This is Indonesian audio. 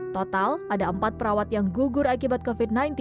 total ada empat perawat yang gugur akibat covid sembilan belas